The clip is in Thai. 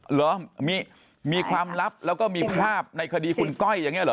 เหรอมีความลับแล้วก็มีภาพในคดีคุณก้อยอย่างนี้เหรอ